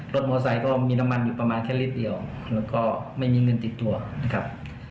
มอไซค์ก็มีน้ำมันอยู่ประมาณแค่ลิตรแล้วก็ไม่มีเงินติดตัวนะครับ